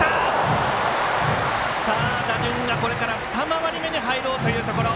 打順が、これから２回り目に入ろうというところ。